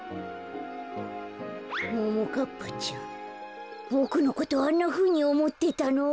ももかっぱちゃんボクのことあんなふうにおもってたの？